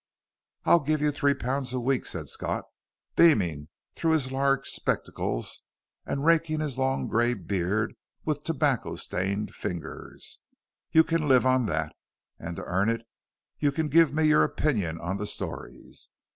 "I'll give you three pounds a week," said Scott, beaming through his large spectacles and raking his long gray beard with tobacco stained fingers, "you can live on that, and to earn it you can give me your opinion on the stories.